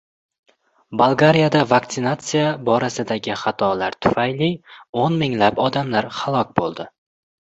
Bolgariyada vaksinasiya borasidagi xatolar tufayli o‘n minglab odamlar halok bo‘ldi